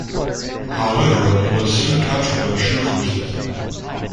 However, he was soon captured by Shu forces.